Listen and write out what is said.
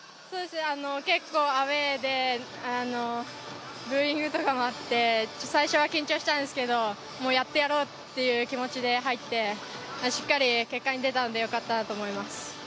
結構アウェーで、ブーイングとかもあって、最初は緊張したんですけれどもやってやろうという気持ちで入って、しっかり結果に出たんでよかったと思います。